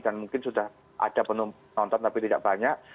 dan mungkin sudah ada penonton tapi tidak banyak